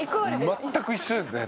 全く一緒ですね